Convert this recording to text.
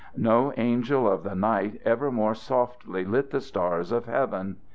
No angel of the night ever more softly lit the stars of heaven.